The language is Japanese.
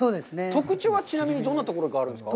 特徴はちなみに、どんなところがあるんですか。